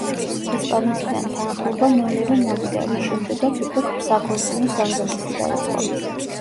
ესპანეთიდან თანხმობა მალევე მოვიდა, რის შემდეგაც უკვე საქორწინო სამზადისი დაიწყო.